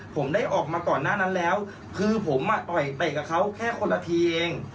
ผมได้ออกมาก่อนหน้านั้นแล้วคือผมอ่ะต่อยเตะกับเขาแค่คนละทีเอง